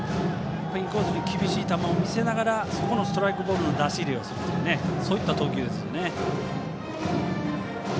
インコースに厳しい球を見せながら外のストライクボールの出し入れをするという投球ですね。